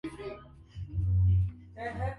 Kwa siri kusaidia harakati za kuondoa utawala uliokuwa